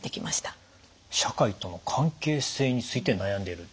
社会との関係性について悩んでいる。